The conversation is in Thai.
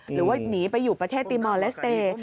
หรือว่าหนีไปอยู่ประเทศติมอลเลสเตย์